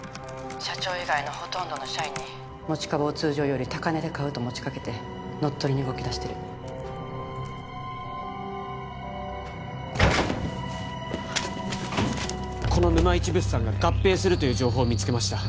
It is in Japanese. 社長以外のほとんどの社員に持ち株を通常より高値で買うと持ちかけて乗っ取りに動きだしてるこのぬまいち物産が合併するという情報を見つけました